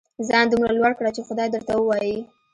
ځان دومره لوړ کړه چې خدای درته ووايي.